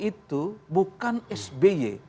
itu bukan sby